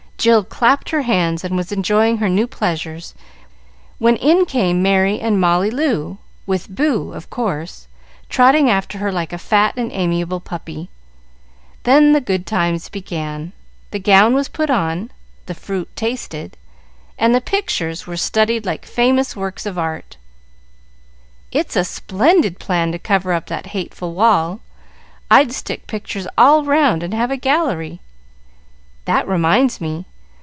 Jill clapped her hands, and was enjoying her new pleasures, when in came Merry and Molly Loo, with Boo, of course, trotting after her like a fat and amiable puppy. Then the good times began; the gown was put on, the fruit tasted, and the pictures were studied like famous works of art. "It's a splendid plan to cover up that hateful wall. I'd stick pictures all round and have a gallery. That reminds me!